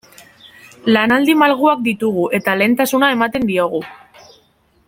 Lanaldi malguak ditugu eta lehentasuna ematen diogu.